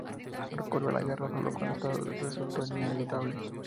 Recurrió a la guerra solo cuando esta resultó inevitable.